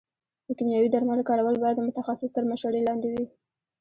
د کيمياوي درملو کارول باید د متخصص تر مشورې لاندې وي.